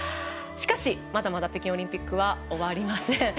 しかし、まだまだ北京オリンピックは終わりません。